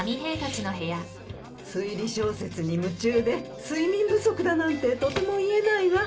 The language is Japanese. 推理小説に夢中で睡眠不足だなんてとても言えないわ